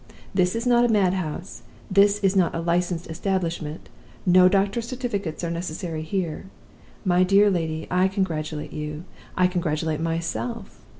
This is not a mad house; this is not a licensed establishment; no doctors' certificates are necessary here! My dear lady, I congratulate you; I congratulate myself.